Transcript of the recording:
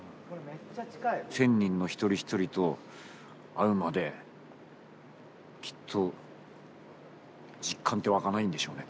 １，０００人の一人一人と会うまできっと実感って湧かないんでしょうね